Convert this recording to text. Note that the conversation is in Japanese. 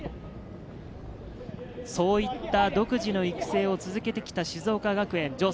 そういった独自の育成を続けてきた静岡学園。